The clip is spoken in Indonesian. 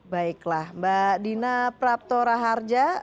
baiklah mbak dina prapto raharja